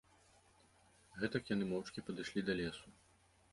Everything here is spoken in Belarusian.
Гэтак яны моўчкі падышлі да лесу.